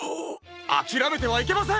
あきらめてはいけません！